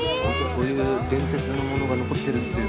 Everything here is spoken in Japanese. こういう伝説のものが残ってるっていう。